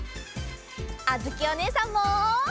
あづきおねえさんも。